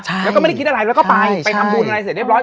ใช่แล้วก็ไม่ได้คิดอะไรแล้วก็ไปไปทำบุญอะไรเสร็จเรียบร้อ